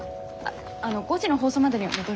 あの５時の放送までには戻るね。